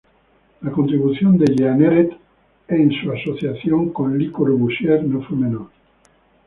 La contribución de Jeanneret en su asociación con Le Corbusier no fue menor.